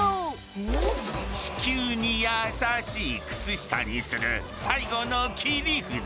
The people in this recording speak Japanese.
地球にやさしい靴下にする最後の切り札